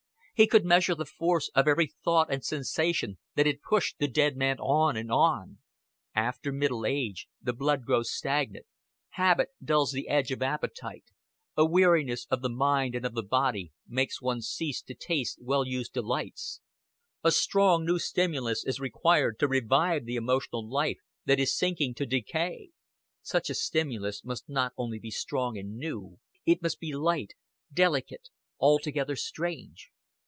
He could measure the force of every thought and sensation that had pushed the dead man on and on. After middle age the blood grows stagnant, habit dulls the edge of appetite, a weariness of the mind and of the body makes one cease to taste well used delights; a strong new stimulus is required to revive the emotional life that is sinking to decay. Such a stimulus must not only be strong and new, it must be light, delicate, altogether strange.